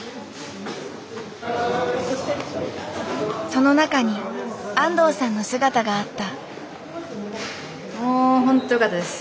その中に安藤さんの姿があった。